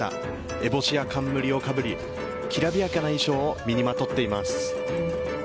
烏帽子や冠をかぶりきらびやかな衣装を身にまとっています。